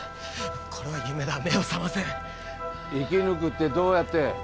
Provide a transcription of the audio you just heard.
これは夢だ目を覚ませ生き抜くってどうやって？